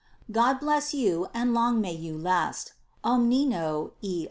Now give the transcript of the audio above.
God bless you, and long may you last "Oninino, E.